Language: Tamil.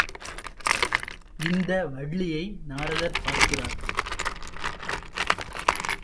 இந்த வள்ளியை நாரதர் பார்க்கிறார்.